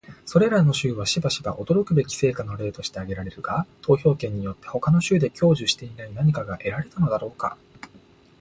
それらの州はしばしば驚くべき成果の例として挙げられるが、投票権によって他の州で享受していない何かが得られたのだろうか？